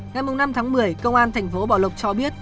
ngày năm tháng một mươi công an tp hcm cho biết